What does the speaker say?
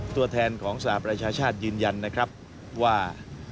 ตัวแทนของสหประชาชาติยืนยันนะครับว่า